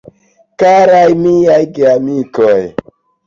Karaj miaj Geamikoj!